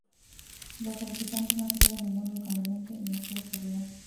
Los solicitantes no tuvieron ningún inconveniente y así ocurrió.